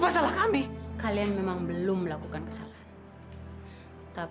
sampai jumpa di video selanjutnya